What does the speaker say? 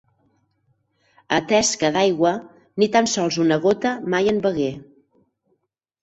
Atès que d'aigua, ni tan sols una gota mai en begué.